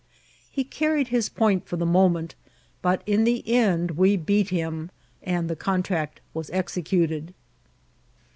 He carried his point for the moment, but in the end we beat him, and the contract was executed.